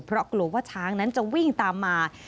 เพราะกลัวว่าช้างนั้นจะวิ่งตามมา